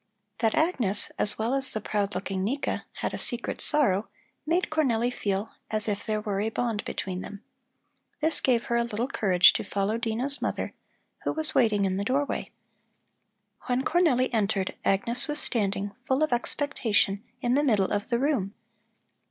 That Agnes, as well as the proud looking Nika, had a secret sorrow made Cornelli feel as if there were a bond between them. This gave her a little courage to follow Dino's mother, who was waiting in the doorway. When Cornelli entered Agnes was standing, full of expectation, in the middle of the room.